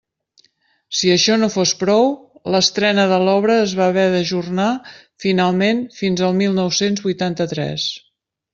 Si això no fos prou, l'estrena de l'obra es va haver d'ajornar finalment fins al mil nou-cents vuitanta-tres.